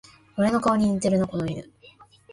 俺の顔に似てるな、この犬